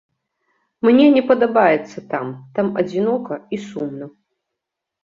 Мне не падабаецца там, там адзінока і сумна.